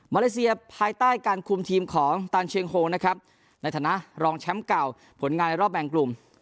เลเซียภายใต้การคุมทีมของตันเชียงโฮนะครับในฐานะรองแชมป์เก่าผลงานในรอบแบ่งกลุ่ม